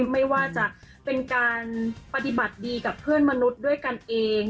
ไม่ว่าจะเป็นการปฏิบัติดีกับเพื่อนมนุษย์ด้วยกันเอง